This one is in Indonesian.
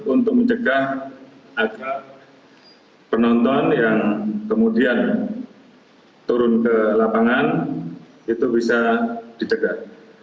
untuk mencegah agar penonton yang kemudian turun ke lapangan itu bisa dicegah